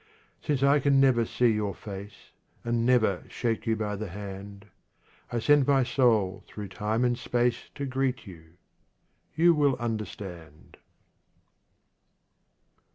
Since I can never see your face, And never shake you by the hand, I send my soul through time and space To greet you. You will understand.